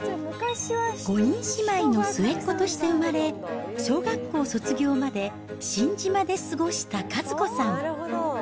５人姉妹の末っ子として生まれ、小学校卒業まで新島で過ごした和子さん。